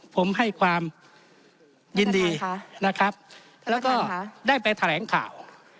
ผมให้ความยินดีนะครับแล้วก็ได้ไปแถลงข่าว